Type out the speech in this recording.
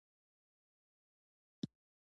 په دې برخه کې نور پاخه ګامونه هم واخیستل.